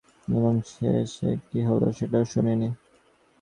এবং শেষে কী হলো সেটাও শুনিনি।